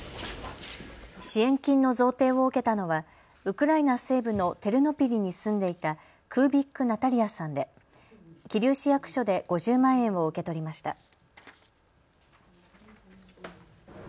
支援金の贈呈を受けたのはウクライナ西部のテルノピリに住んでいたクービック・ナタリヤさんで桐生市役所で５０万円を受け取りました。